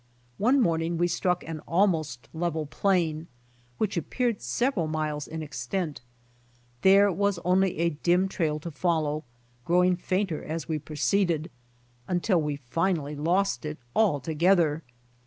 One morning we struck an almost level plain which appeared several miles in extent. There was only a dim trail to follow, growing fainter as we proceeded, until we finally lost it altogether.